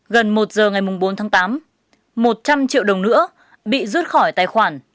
gần một giờ ngày bốn tháng tám một trăm linh triệu đồng nữa bị rút khỏi tài khoản